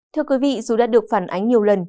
thưa quý vị dù đã được phản ánh nhiều lần